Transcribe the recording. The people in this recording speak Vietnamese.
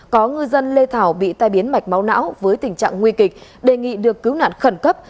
có ngư dân lê thảo bị tai biến mạch máu não với tình trạng nguy kịch đề nghị được cứu nạn khẩn cấp